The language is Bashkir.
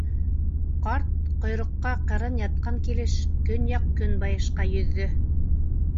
Ҡарт, ҡойроҡҡа ҡырын ятҡан килеш, көньяҡ-көнбайышҡа йөҙҙө.